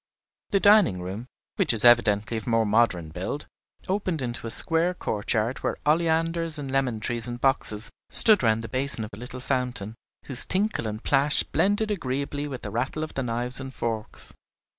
The dining room, which was evidently of more modern build, opened into a square courtyard where oleanders and lemon trees in boxes stood round the basin of a little fountain, whose tinkle and plash blended agreeably with the rattle of the knives and forks.